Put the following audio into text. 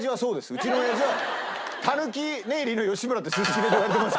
うちの親父は狸寝入りの吉村ってすすきので言われてますから。